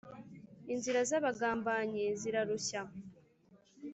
inzira z’abagambanyi zirarushya